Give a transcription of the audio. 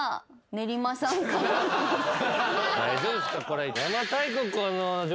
大丈夫ですか？